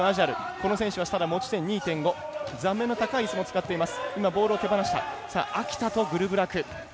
この選手は持ち点２．５座面の高いいすを使っています。